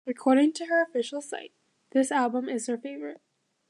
According to her official site, this album is her favorite.